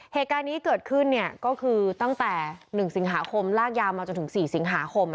เหตุการณ์นี้เกิดขึ้นก็คือตั้งแต่๑สิงหาคมลากยาวมาจนถึง๔สิงหาคม